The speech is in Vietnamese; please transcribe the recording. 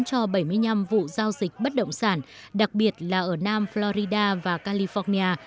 cho bảy mươi năm vụ giao dịch bất động sản đặc biệt là ở nam florida và california